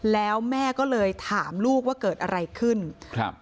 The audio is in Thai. แล้วแม่ก็เลยถามลูกว่าเกิดอะไรขึ้นครับ